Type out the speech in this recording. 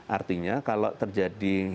artinya kalau terjadi